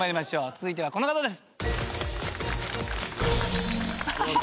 続いてはこの方です。